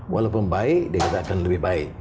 walaupun baik dia katakan lebih baik